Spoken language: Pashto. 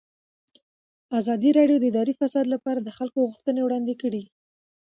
ازادي راډیو د اداري فساد لپاره د خلکو غوښتنې وړاندې کړي.